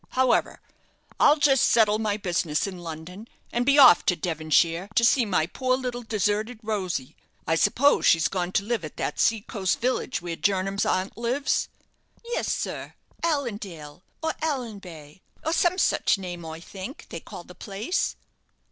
However, I'll just settle my business in London, and be off to Devonshire to see my poor little deserted Rosy. I suppose she's gone to live at that sea coast village where Jernam's aunt lives?" "Yes, sir, Allandale or Allanbay or some such name, I think, they call the place."